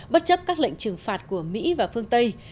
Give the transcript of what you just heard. bất chấp các lệnh trừng phạt của mỹ và phương tây